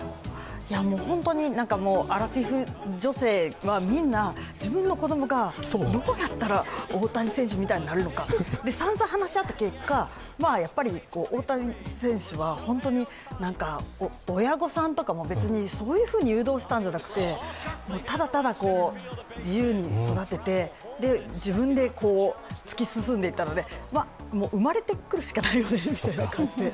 本当にアラフィフ女性はみんな、自分の子どもがどうやったら大谷選手みたいになれるのか、さんざん話し合った結果、やっぱり大谷選手は親御さんとか、別にそういうふうに誘導したんじゃなくて、ただただ、自由に育てて、自分で突き進んでいったので、生まれてくるしかないみたいな感じで。